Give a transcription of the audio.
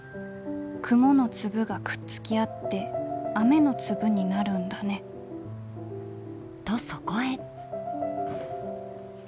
くものつぶがくっつきあって雨のつぶになるんだね」とそこへ。